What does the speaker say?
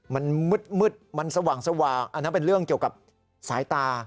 มันมืดมันสว่างอันนั้นเป็นเรื่องเกี่ยวกับสายตา